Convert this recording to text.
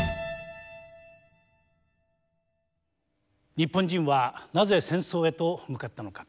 「日本人はなぜ戦争へと向かったのか」。